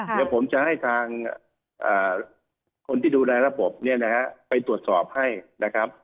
เดี๋ยวผมจะให้ทางคนที่ดูแลระบบเนี่ยนะฮะไปตรวจสอบให้นะครับ